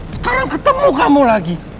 sekarang ketemu kamu lagi